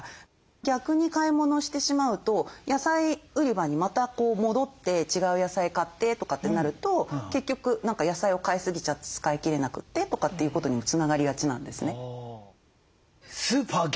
逆に買い物をしてしまうと野菜売り場にまた戻って違う野菜買ってとかってなると結局何か野菜を買いすぎちゃて使い切れなくてとかっていうことにもつながりがちなんですね。